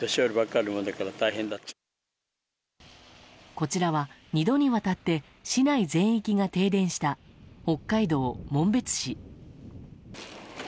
こちらは、２度にわたって市内全域が停電した北海道紋別市。